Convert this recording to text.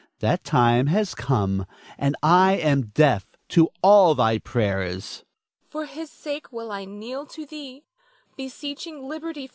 That time hath come, and I am deaf to all thy prayers. Nina. For his sake will I kneel to thee beseeching liberty for him.